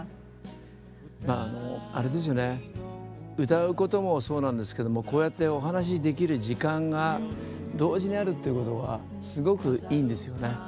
まああのあれですよね歌うこともそうなんですけどもこうやってお話しできる時間が同時にあるっていうことがすごくいいんですよね。